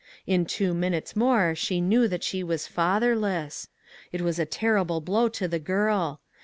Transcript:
In two minutes more she knew that she was fatherless! It was a terrible blow to the girl.